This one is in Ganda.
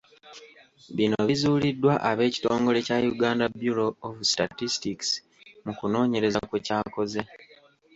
Bino bizuuliddwa ab'ekitongole kya Uganda Bureau Of Statistics mu kunoonyereza kwe kyakoze.